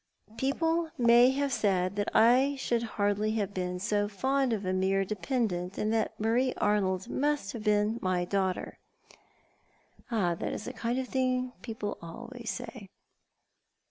" People may have said that I should hardly have been so fond of a mere dependent, and that Marie Arnold must have been my daughter." " That is the kind of thing people always say."